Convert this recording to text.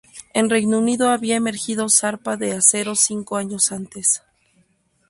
En Reino Unido había emergido Zarpa de Acero cinco años antes.